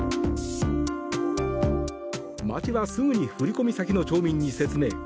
町はすぐに振込先の町民に説明。